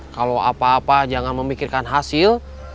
kalau apa apa jangan memikirkan hasil